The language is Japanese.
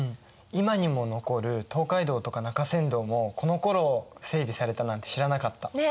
今にも残る東海道とか中山道もこのころ整備されたなんて知らなかった。ね！